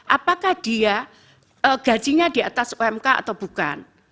apakah dia gajinya di atas umk atau bukan